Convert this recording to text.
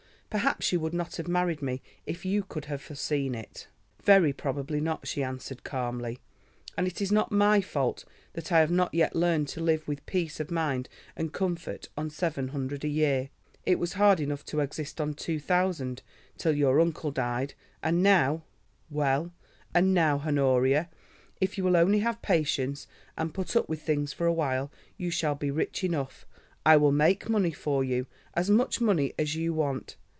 Perhaps you would not have married me if you could have foreseen it." "Very probably not," she answered calmly, "and it is not my fault that I have not yet learned to live with peace of mind and comfort on seven hundred a year. It was hard enough to exist on two thousand till your uncle died, and now——" "Well, and now, Honoria, if you will only have patience and put up with things for a while, you shall be rich enough; I will make money for you, as much money as you want.